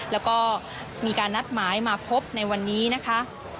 แล้วก็มีการนัดหมายมาพบในวันนี้นะคะ